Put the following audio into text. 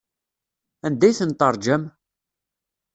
Anda ay ten-teṛjam?